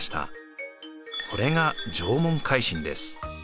これが縄文海進です。